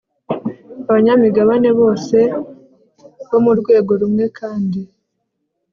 abanyamigabane bose bo mu rwego rumwe kandi